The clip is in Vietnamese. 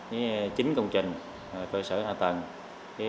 với chín công trình cơ sở hạ tầng